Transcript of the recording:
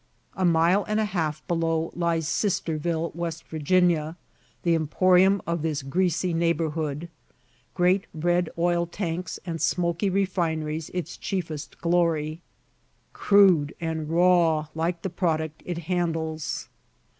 A mile and a half below lies Sistersville, W. Va., the emporium of this greasy neighborhood great red oil tanks and smoky refineries its chiefest glory; crude and raw, like the product it handles.